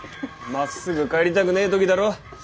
まっすぐ帰りたくねえ時だろ